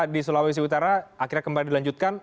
di sulawesi utara akhirnya kembali dilanjutkan